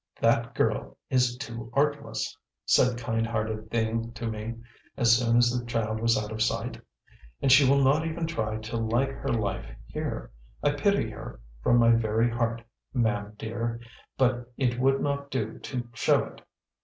"That girl is too artless," said kind hearted Thieng to me, as soon as the child was out of sight; "and she will not even try to like her life here. I pity her from my very heart, mam dear, but it would not do to show it.